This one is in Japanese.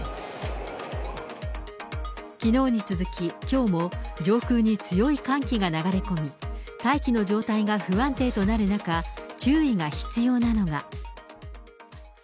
きのうに続き、きょうも上空に強い寒気が流れ込み、大気の状態が不安定となる中、注意が必要なのが。